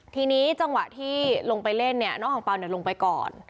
ทีนี้จังหวะที่ลงไปเล่นเนี่ยน้องอังเปล่าลงไปก่อน